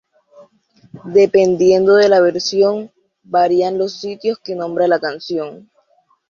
Dependiendo de la versión, varían los sitios que nombra la canción.